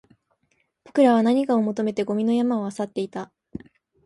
僕らは何かを求めてゴミの山を漁っていた